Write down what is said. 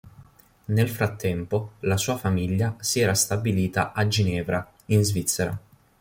Nel frattempo, la sua famiglia si era stabilita a Ginevra, in Svizzera.